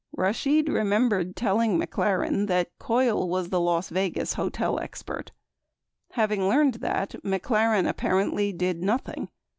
Rashid remembered telling McLaren that Coyle was the Las Vegas hotel expert. 45 Having learned that, McLaren apparently did nothing.